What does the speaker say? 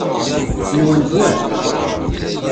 Nwent wa?